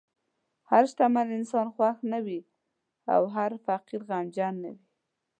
هر شتمن انسان خوښ نه وي، او هر فقیر غمجن نه وي.